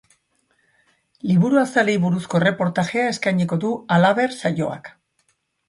Liburu azalei buruzko erreportajea eskainiko du, halaber, saioak.